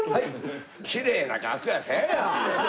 きれいな楽屋にせえや！